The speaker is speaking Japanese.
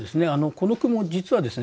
この句も実はですね